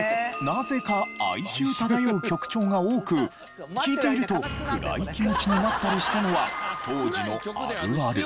なぜか哀愁漂う曲調が多く聞いていると暗い気持ちになったりしたのは当時のあるある。